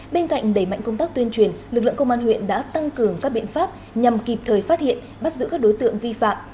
bên cạnh đẩy mạnh công tác tuyên truyền lực lượng công an huyện đã tăng cường các biện pháp nhằm kịp thời phát hiện bắt giữ các đối tượng vi phạm